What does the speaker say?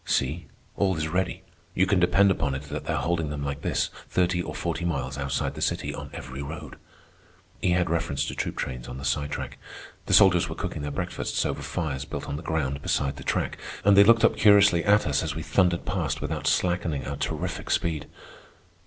"See, all is ready. You can depend upon it that they're holding them like this, thirty or forty miles outside the city, on every road." He had reference to troop trains on the side track. The soldiers were cooking their breakfasts over fires built on the ground beside the track, and they looked up curiously at us as we thundered past without slackening our terrific speed.